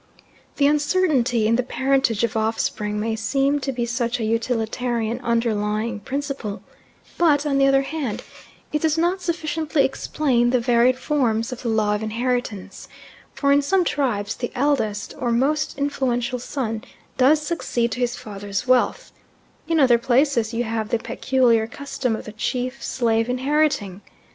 The uncertainty in the parentage of offspring may seem to be such a utilitarian underlying principle, but, on the other hand, it does not sufficiently explain the varied forms of the law of inheritance, for in some tribes the eldest or most influential son does succeed to his father's wealth; in other places you have the peculiar custom of the chief slave inheriting.